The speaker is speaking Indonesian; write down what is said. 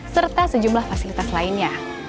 serta sejumlah fasilitas lainnya